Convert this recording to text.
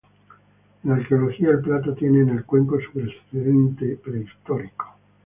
En arqueología, el plato tiene en el cuenco su precedente prehistórico.